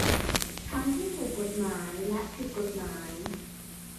ทั้งที่ถูกกฎหมายและผิดกฎหมาย